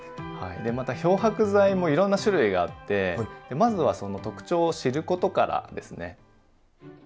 また漂白剤もいろんな種類があってまずはその特徴を知ることからですね。